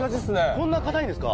こんな硬いんですか。